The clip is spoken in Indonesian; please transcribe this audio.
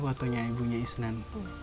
fotonya ibunya isnan